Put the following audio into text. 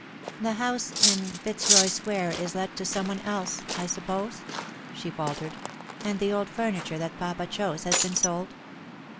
" The house in Pitzroy square is let to some one else, I suppose," she faltered, " and the old furniture that papa chose has been sold